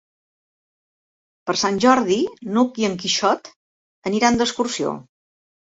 Per Sant Jordi n'Hug i en Quixot aniran d'excursió.